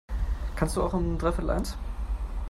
Kannst du auch um dreiviertel eins?